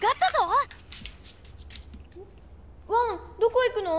ワンどこ行くの？